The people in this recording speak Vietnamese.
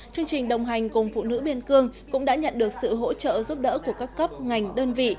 chương trình đồng hành cùng phụ nữ biên cương cũng đã nhận được sự hỗ trợ giúp đỡ của các cấp ngành đơn vị